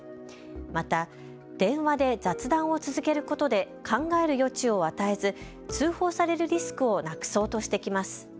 また電話で雑談を続けることで考える余地を与えず通報されるリスクをなくそうとしてきます。